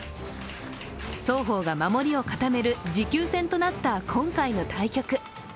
双方が守りを固める持久戦となった今回の対局。